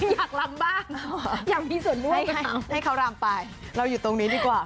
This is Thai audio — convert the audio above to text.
อยากรำบ้างอยากมีส่วนร่วมไงให้เขารำไปเราอยู่ตรงนี้ดีกว่า